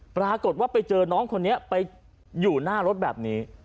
ปรากฏว่าไปเจอน้องคนนี้ไปอยู่หน้ารถแบบนี้